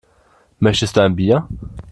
Möchtest du ein Bier?